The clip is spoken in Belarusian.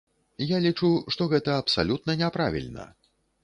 Я лічу, што гэта абсалютна няправільна.